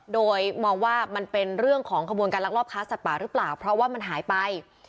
โดยมองว่ามันเป็นเรื่องของขบวนการลักลอบค้าสัตว์ป่าหรือเปล่าเพราะว่ามันหายไป